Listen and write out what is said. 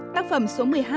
tác phẩm số một mươi hai